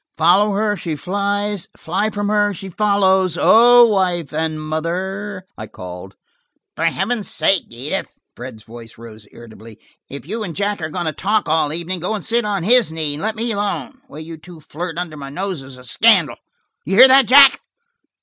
"'Follow her, she flies; fly from her, she follows'–oh, wife and mother!" I called. "For heaven's sake, Edith," Fred's voice rose irritably. "If you and Jack are going to talk all evening, go and sit on his knee and let me alone. The way you two flirt under my nose is a scandal. Do you hear that, Jack?"